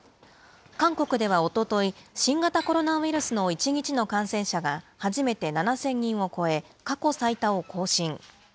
韓国ではおととい、新型コロナウイルスの１日の感染者が初めて７０００人を超え、過去最多を更新。